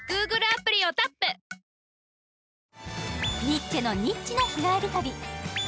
ニッチェのニッチな日帰り旅。